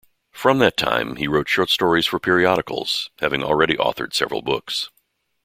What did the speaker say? From that time, he wrote short stories for periodicals, having already authored several books.